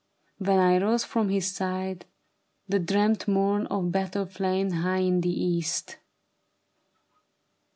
When I rose from his side, The dread morn of battle flamed high in the East.